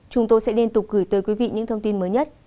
chúng tôi sẽ liên tục gửi tới quý vị những thông tin mới nhất